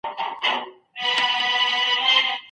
د ظرفیت اغېزې باید مطالعه سي.